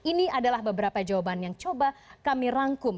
ini adalah beberapa jawaban yang coba kami rangkum